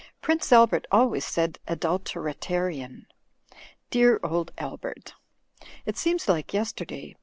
"Prince Albert always said 'adulteratarian.' Dear old Albert ! It seems like yesterday!